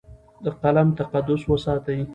د قلم تقدس وساتئ.